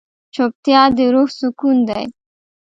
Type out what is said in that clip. چوپتیا، د روح سکون دی.